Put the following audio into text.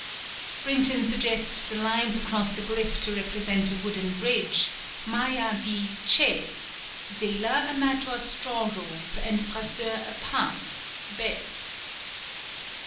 _ Brinton suggests the lines across the glyph to represent a "wooden bridge," Maya be che, Seler a mat or straw roof, and Brasseur "a path," be.